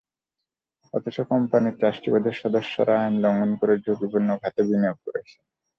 অথচ কোম্পানির ট্রাস্টি বোর্ডের সদস্যরা আইন লঙ্ঘন করে ঝুঁকিপূর্ণ খাতে বিনিয়োগ করেছেন।